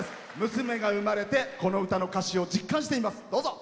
娘が生まれてこの歌の歌詞を実感しています。